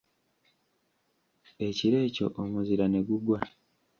Ekiro ekyo omuzira ne gugwa.